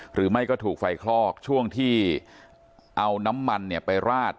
หรือไม่ก็ถูกไฟคลอกช่วงที่เอาน้ำมันเนี่ยไปราด